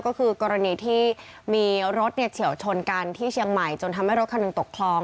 ก็คือกรณีที่มีรถเฉียวชนกันที่เชียงใหม่จนทำให้รถคันหนึ่งตกคลอง